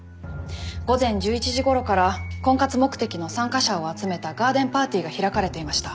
午前１１時頃から婚活目的の参加者を集めたガーデンパーティーが開かれていました。